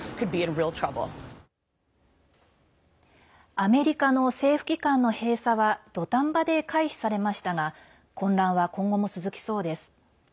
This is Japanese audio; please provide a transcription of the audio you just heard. アメリカの政府機関の閉鎖は土壇場で回避されましたが混乱は今後も続きそうです。